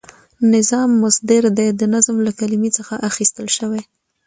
نظام مصدر دی د نظم له کلمی څخه اخیستل شوی،